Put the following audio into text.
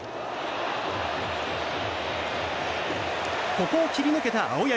ここを切り抜けた青柳。